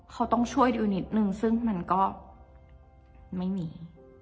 เขาต้องช่วยดูนิดนึงซึ่งมันก็ไม่มี